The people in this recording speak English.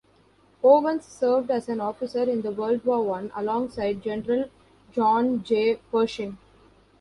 Owens served as an officer in World War One, alongside General John J. Pershing.